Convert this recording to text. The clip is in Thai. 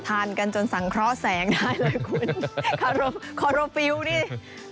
ทานกันจนสังเคราะห์แสงได้เลยคุณขอโรฟิวนี่เต็มเลย